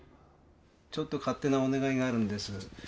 ちょっと勝手なお願いがあるんです。